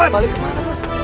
balik kemana bos